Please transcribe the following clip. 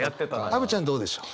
アヴちゃんどうでしょう。